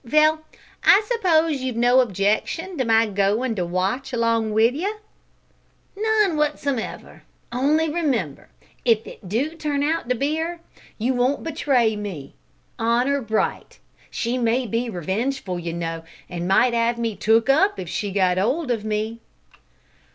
Vell, I suppose you've no objection to my goin' to watch along wi' you." "None wotsomever; on'y remember, if it do turn out to be 'er, you won't betray me. Honour bright! She may be revengeful, you know, an' might 'ave me took up if she got 'old of me."